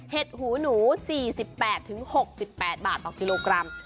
หูหนู๔๘๖๘บาทต่อกิโลกรัม